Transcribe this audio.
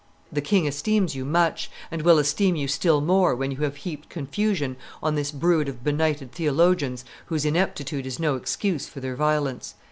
The king esteems you much, and will esteem you still more when you have heaped confusion on this brood of benighted theologians whose ineptitude is no excuse for their violence."